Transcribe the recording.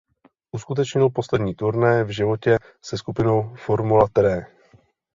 Uskutečnil poslední turné v životě se skupinou Formula Tre.